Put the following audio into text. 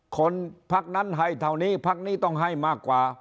คนพักนั้นให้เท่านี้พักนี้ต้องให้มากกว่า